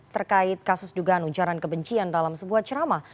terkait kasus dugaan ujaran kebencian dalam sebuah ceramah